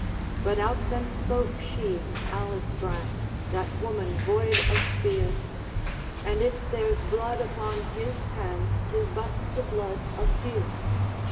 But out then spoke she, Alice Brand, That woman void of fear, 'And if there 's blood upon his hand, 'Tis but the blood of deer.'